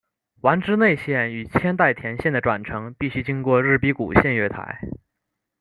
丸之内线与千代田线的转乘必须经过日比谷线月台。